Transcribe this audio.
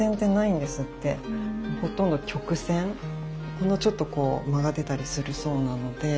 ほんのちょっとこう曲がってたりするそうなので。